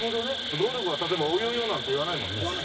ゴルゴは例えば「およよ」なんて言わないもんね。